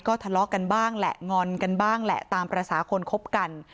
ก็ทะเลาะกันบ้างแหละงอนกันบ้างแหละตามภาษาคนคบกัน